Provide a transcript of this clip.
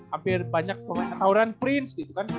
hampir banyak tauran prince gitu kan